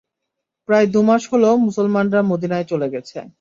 প্রায় দুমাস হল মুসলমানরা মদীনায় চলে গেছে।